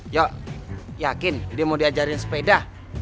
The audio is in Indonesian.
yuk yakin dia mau diajarin sepeda